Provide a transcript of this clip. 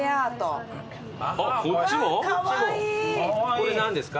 これ何ですか？